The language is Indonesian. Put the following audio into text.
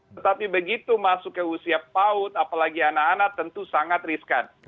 tetapi begitu masuk ke usia paut apalagi anak anak tentu sangat riskan